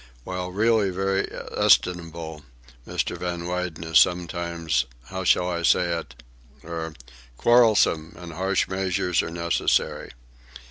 While really very estimable, Mr. Van Weyden is sometimes—how shall I say?—er—quarrelsome, and harsh measures are necessary.